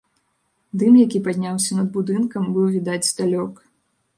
Дым, які падняўся над будынкам, быў відаць здалёк.